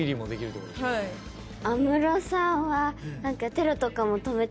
安室さんは。